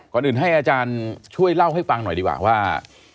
ก่อนอื่นให้อาจารย์ช่วยเล่าให้ฟังหน่อยดีกว่าว่า